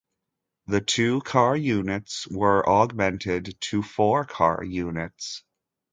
The two-car units were augmented to four-car units.